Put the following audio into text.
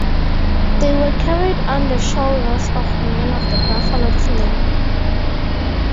They were carried on the shoulders of men of the Buffalo clan.